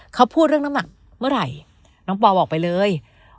เขาพูดเรื่องน้ำหนักเมื่อไหร่น้องปอบอกไปเลย